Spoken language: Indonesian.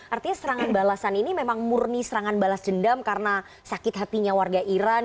artinya serangan balasan ini memang murni serangan balas dendam karena sakit hatinya warga iran